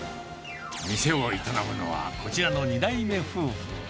店を営むのはこちらの２代目夫婦。